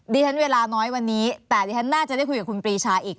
ฉันเวลาน้อยวันนี้แต่ดิฉันน่าจะได้คุยกับคุณปรีชาอีก